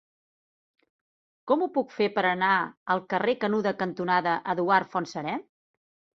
Com ho puc fer per anar al carrer Canuda cantonada Eduard Fontserè?